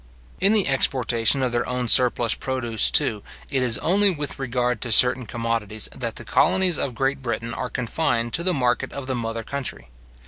In the exportation of their own surplus produce, too, it is only with regard to certain commodities that the colonies of Great Britain are confined to the market of the mother country.